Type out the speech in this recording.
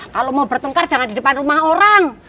kalau mau bertengkar jangan di depan rumah orang